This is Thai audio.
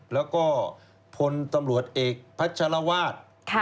แล้วก็พลตำรวจเอกพัชรวาส